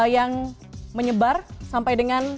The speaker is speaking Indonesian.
yang menyebar sampai dengan